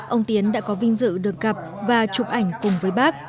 ông tiến đã có vinh dự được gặp và chụp ảnh cùng với bác